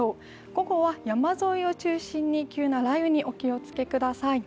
午後は山沿いを中心に急な雷雨にお気をつけください。